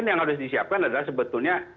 yang harus disiapkan adalah sebetulnya